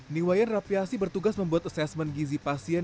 niwayan rapiasi bertugas membuat asesmen gizi pasien